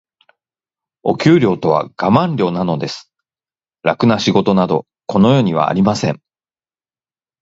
お給料とはガマン料なのです。楽な仕事など、この世にはありません。